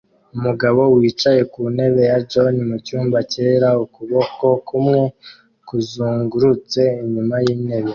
Umugabo wicaye ku ntebe ya john mucyumba cyera ukuboko kumwe kuzungurutse inyuma yintebe